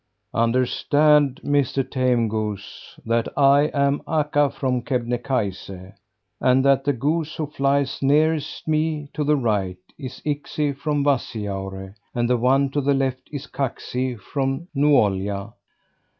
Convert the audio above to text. "Understand, Mr. Tame goose, that I am Akka from Kebnekaise! And that the goose who flies nearest me to the right is Iksi from Vassijaure, and the one to the left, is Kaksi from Nuolja!